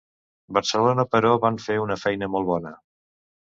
Barcelona però van fer una feina molt bona.